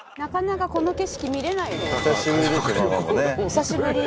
久しぶり。